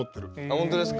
本当ですか？